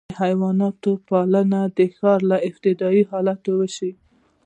د حیواناتو پالنه د ښکار له ابتدايي حالته وشوه.